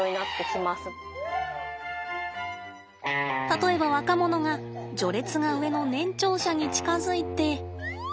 例えば若者が序列が上の年長者に近づいて。